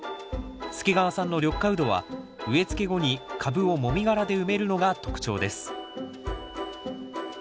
助川さんの緑化ウドは植えつけ後に株をもみ殻で埋めるのが特徴です